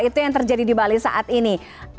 itu yang terjadi di bali saat ini